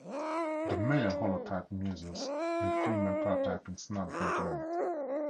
The male holotype measures and female paratype in snout–vent length.